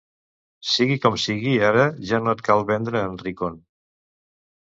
Sigui com sigui, ara ja no et cal vendre en Rickon.